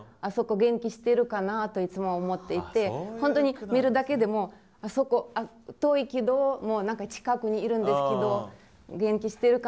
元気してるかな？といつも思っていて本当に見るだけでもあそこ遠いけど何か近くにいるんですけど。